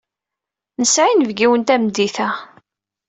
Nesɛa inebgiwen tameddit-a.